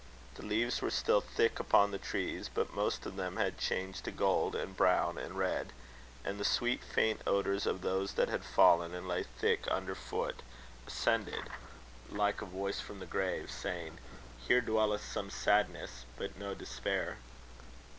The leaves were still thick upon the trees, but most of them had changed to gold, and brown, and red; and the sweet faint odours of those that had fallen, and lay thick underfoot, ascended like a voice from the grave, saying: "Here dwelleth some sadness, but no despair."